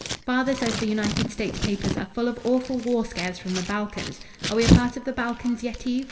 "Father says the United States papers are full of awful war scares from the Balkans. Are we a part of the Balkans, Yetive?"